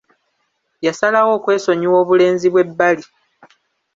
Yasalawo okwesonyiwa obulenzi bw'ebbali.